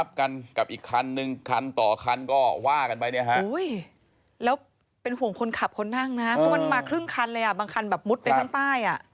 มันมาครึ่งคันเลยบางคันมุดไปข้างใต้